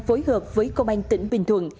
phối hợp với công an tỉnh bình thuận